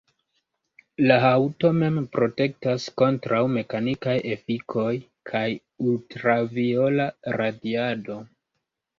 La haŭto mem protektas kontraŭ mekanikaj efikoj, kaj ultraviola radiado.